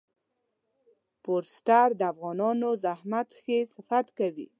فورسټر د افغانانو زحمت کښی صفت کوي.